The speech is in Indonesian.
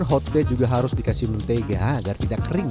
hot black juga harus dikasih mentega agar tidak kering